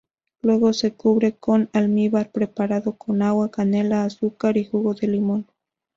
Luego se cubre con almíbar preparado con agua, canela, azúcar y jugo de limón.